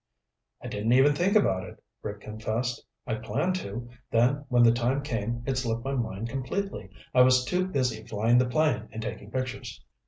"I didn't even think about it," Rick confessed. "I planned to, then when the time came it slipped my mind completely. I was too busy flying the plane and taking pictures."